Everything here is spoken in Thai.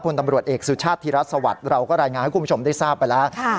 ตำรวจเอกสุชาติธิรัฐสวัสดิ์เราก็รายงานให้คุณผู้ชมได้ทราบไปแล้ว